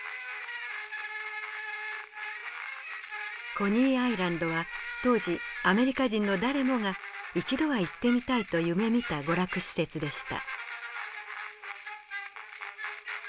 コニーアイランドは当時アメリカ人の誰もが「一度は行ってみたい」と夢みた娯楽施設でした。